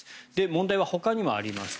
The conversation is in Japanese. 問題はほかにもあります。